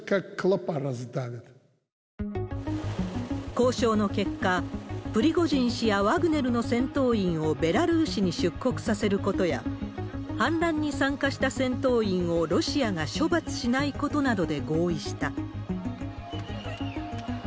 交渉の結果、プリゴジン氏やワグネルの戦闘員をベラルーシに出国させることや、反乱に参加した戦闘員をロシアが処罰しないことなどで合意した。